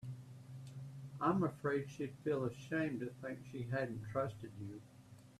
I'm afraid she'd feel ashamed to think she hadn't trusted you.